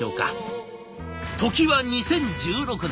時は２０１６年。